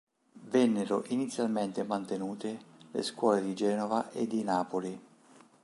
Vennero inizialmente mantenute le scuole di Genova e di Napoli.